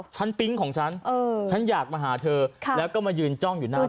ชั้นปิ้งของชั้นชั้นอยากมาหาเธอแล้วก็มายืนจ้อง